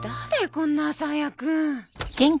こんな朝早く。